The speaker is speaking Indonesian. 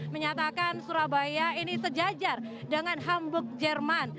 menyatakan surabaya ini sejajar dengan hamburg jerman